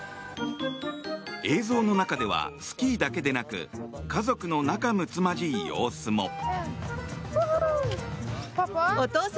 映像の中ではスキーだけでなく家族の仲睦まじい様子も。